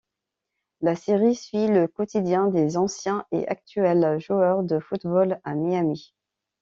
La série suit le quotidien des anciens et actuels joueurs de football à Miami.